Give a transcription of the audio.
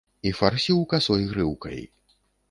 І фарсіў касой грыўкай.